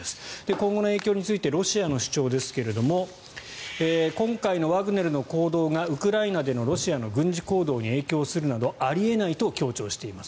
今後の影響についてロシアの主張ですが今回のワグネルの行動がウクライナでのロシアの軍事行動に影響するなどあり得ないと強調しています。